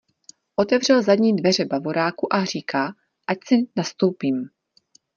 Otevřel zadní dveře Bavoráku a říká, ať si nastoupím.